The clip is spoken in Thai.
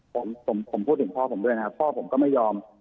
ผมผมพูดถึงพ่อผมด้วยนะครับพ่อผมก็ไม่ยอม